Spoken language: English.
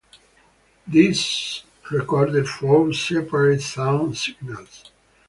These recorded four separate sound signals.